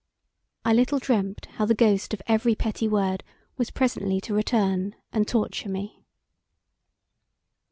I little dreamt how the ghost of every petty word was presently to return and torture me.